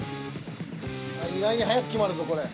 意外に早く決まるぞこれ。